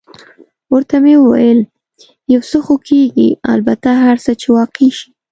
ورته مې وویل: یو څه خو کېږي، البته هر څه چې واقع شي.